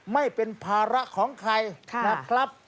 ไม่เป็นภาระของใครนะครับ